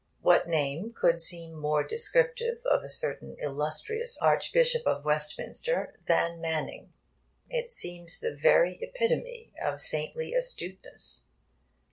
What name could seem more descriptive of a certain illustrious Archbishop of Westminster than 'Manning'? It seems the very epitome of saintly astuteness.